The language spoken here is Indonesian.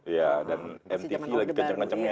iya dan mtv lagi kenceng kencengnya